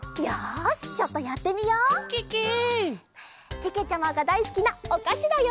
けけちゃまがだいすきなおかしだよ！